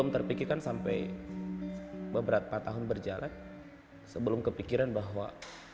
saya berpikir sampai beberapa tahun berjalan sebelum kepikiran bahwa